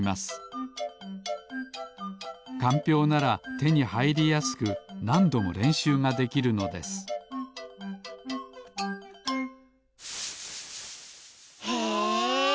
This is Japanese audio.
かんぴょうならてにはいりやすくなんどもれんしゅうができるのですへえ。